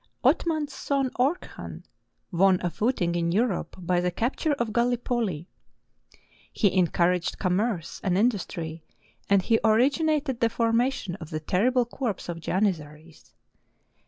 Othman's son Orkhan won a footing in Europe by the capture of Gallipoli. He encouraged commerce and industry, and he originated the formation of the terrible corps of Janizaries.